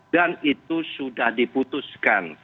dan itu sudah diputuskan